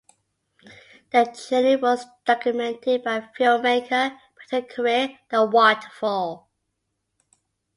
The journey was documented by filmmaker Peta Carey "The Waterfall".